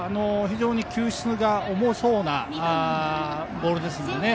非常に球質が重そうなボールです。